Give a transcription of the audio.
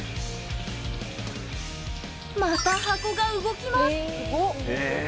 また、箱が動きます。